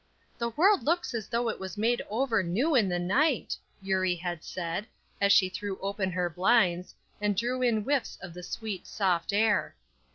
"The world looks as though it was made over new in the night," Eurie had said, as she threw open her blinds, and drew in whiffs of the sweet, soft air.